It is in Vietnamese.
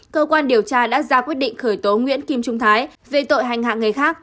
cơ quan điều tra đã ra quyết định khởi tố nguyễn kim trung thái về tội hành hạ người khác